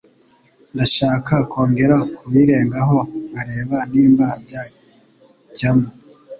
Ndashaka kongera kubirengaho nkareba nimba byacyamo.